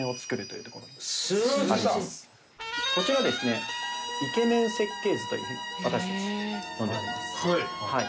こちらはですね「イケメン設計図」というふうに私たち呼んでおります。